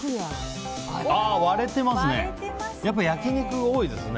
割れてますね。